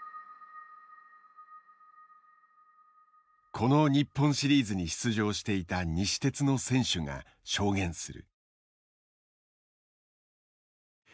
この日本シリーズに出場していた西鉄の選手が証言する。